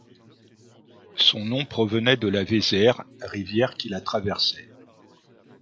Son nom provenait de la Vézère, rivière qui la traversait.